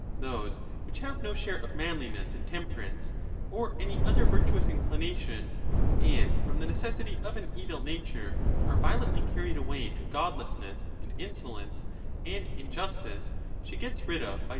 Those which have no butwiu share of manliness and temperance, or any other virtuous ^he^i"*^* inclination, and, from the necessity of an evil nature, are violently carried away to godlessness and insolence and injustice, she gets rid of by.